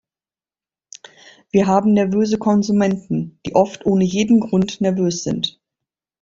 Wir haben nervöse Konsumenten, die oft ohne jeden Grund nervös sind.